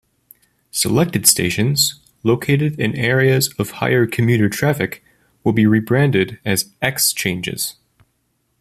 Selected stations, located in areas of higher commuter traffic, will be rebranded as Xchanges.